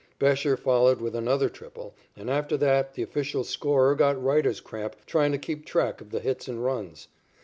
Bescher followed with another triple, and, after that, the official scorer got writer's cramp trying to keep track of the hits and runs.